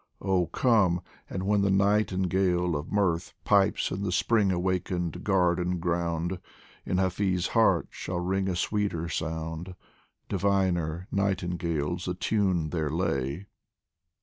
Oh come ! and when the nightingale of mirth Pipes in the Spring awakened garden ground, In Hafiz' heart shall ring a sweeter sound, Diviner nightingales attune their lay.